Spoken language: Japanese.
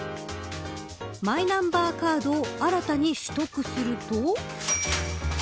マイナンバーカードを新たに取得すると。